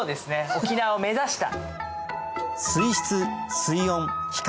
沖縄を目指した。